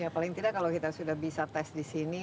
paling tidak kalau kita sudah bisa tes di sini